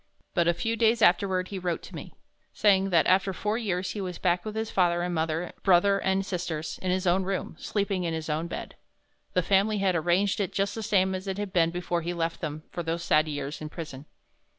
But a few days afterward he wrote to me, saying that after four years he was back with his father and mother, brother and sisters, in his own room, sleeping in his own bed. The family had arranged it just the same as it had been before he left them for those sad years in prison.